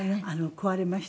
壊れました。